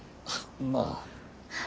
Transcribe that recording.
まあ。